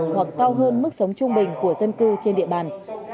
hoặc cao hơn mức sống trung bình của dân cư trên địa bàn